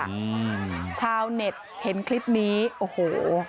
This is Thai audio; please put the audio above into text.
อืมชาวเน็ตเห็นคลิปนี้โอ้โห